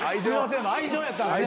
愛情やったんですね。